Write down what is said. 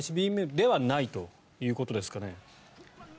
ＩＣＢＭではないということですかね。